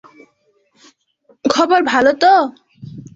খবর ভালো তো?